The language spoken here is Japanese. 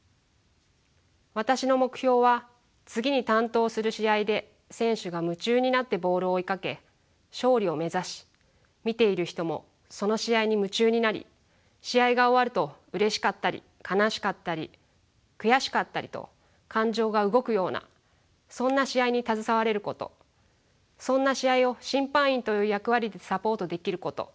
私の目標は次に担当する試合で選手が夢中になってボールを追いかけ勝利を目指し見ている人もその試合に夢中になり試合が終わるとうれしかったり悲しかったり悔しかったりと感情が動くようなそんな試合に携われることそんな試合を審判員という役割でサポートできること。